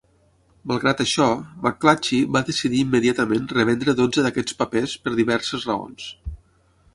Malgrat això, McClatchy va decidir immediatament revendre dotze d'aquests papers per diverses raons.